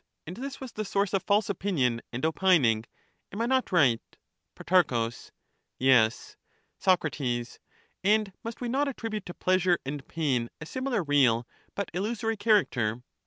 And this was the source of false opinion and opining ; am I not right ? Pro. Yes. Soc. And must we not attribute to pleasure and pain a similar real but illusory character?